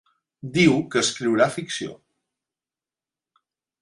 Diu que escriurà ficció.